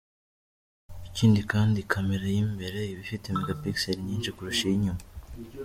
Ikindi kandi camera y’imbere iba ifite megapixels nyinshi kurusha iy’inyuma.